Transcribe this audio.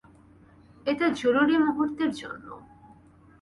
এটা জরুরি মুহুর্তের জন্য।